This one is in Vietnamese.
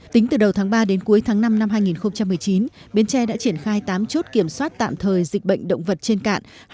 tính từ đầu tháng ba đến cuối tháng năm năm hai nghìn một mươi chín bến tre đã triển khai tám chốt kiểm soát tạm thời dịch bệnh động vật trên cạn